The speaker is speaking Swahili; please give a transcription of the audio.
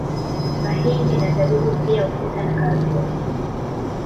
Mahindi na Zabibu pia ufuta na karafuu